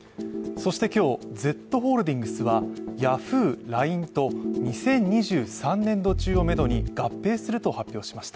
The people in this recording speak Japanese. そして今日、Ｚホールディングスはヤフー、ＬＩＮＥと２０２３年度中をめどに合併すると発表しました。